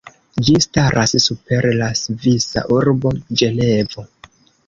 Ĝi staras super la svisa urbo Ĝenevo.